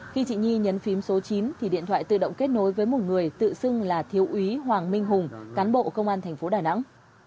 khi chị nhi nhấn phím số chín thì điện thoại tự động kết nối với một người tự xưng là thiếu úy hoàng minh hùng cán bộ công an thành phố đà nẵng